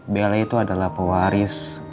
bella itu adalah pewaris